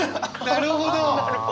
なるほどな！